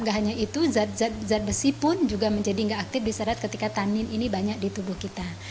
tidak hanya itu zat besi pun juga menjadi tidak aktif diserap ketika tanin ini banyak di tubuh kita